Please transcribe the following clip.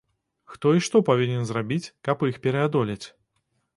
Хто і што павінен зрабіць, каб іх пераадолець?